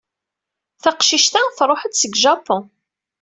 Taqcict-a truḥ-d seg Japun.